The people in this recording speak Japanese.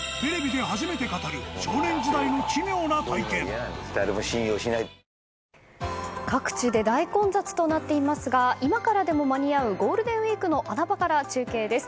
颯颯アサヒの緑茶「颯」各地で大混雑となっていますが今からでも間に合うゴールデンウィークの穴場から中継です。